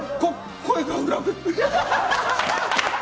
声が裏返って。